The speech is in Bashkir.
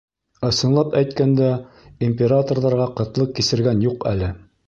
Ысынлап әйткәндә, императорҙарға ҡытлыҡ кисергән юҡ әле.